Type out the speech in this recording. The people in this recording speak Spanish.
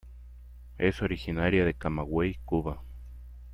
Es originaria de Camagüey, Cuba.